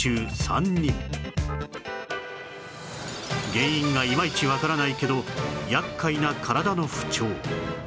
原因がいまいちわからないけど厄介な体の不調